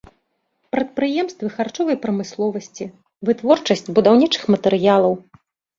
Прадпрыемствы харчовай прамысловасці, вытворчасць будаўнічых матэрыялаў.